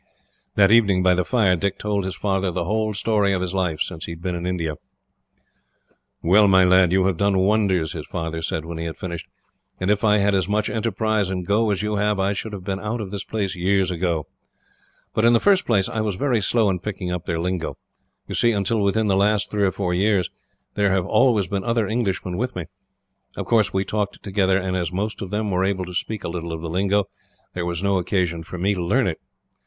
That evening by the fire, Dick told his father the whole story of his life since he had been in India. "Well, my lad, you have done wonders," his father said, when he had finished; "and if I had as much enterprise and go as you have, I should have been out of this place years ago. But in the first place, I was very slow in picking up their lingo. You see, until within the last three or four years, there have always been other Englishmen with me. Of course we talked together, and as most of them were able to speak a little of the lingo, there was no occasion for me to learn it.